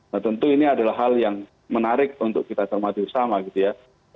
nah tentu ini adalah hal yang menarik untuk kita cermati bersama gitu ya